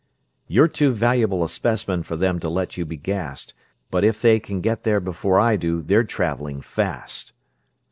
"You're too valuable a specimen for them to let you be gassed, but if they can get there before I do they're traveling fast!"